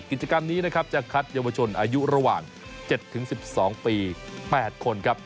กิจกรรมนี้นะครับจะคัดเยาวชนอายุระหว่าง๗๑๒ปี๘คนครับ